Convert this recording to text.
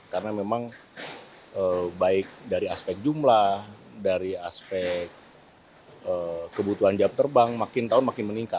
karena memang baik dari aspek jumlah dari aspek kebutuhan jam terbang tahun makin meningkat